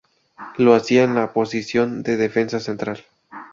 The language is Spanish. Lo hacía en la posición de defensa central.